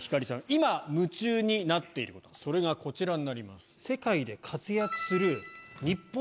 今夢中になっていることそれがこちらになります。